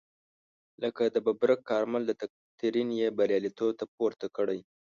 لکه د ببرک کارمل دکترین یې بریالیتوب ته پورته کړی.